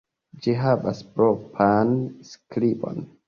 Ĝi havas propran skribon.